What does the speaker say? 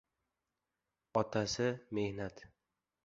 Otasi — mehnat.